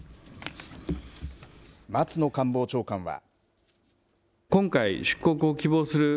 松野官房長官は。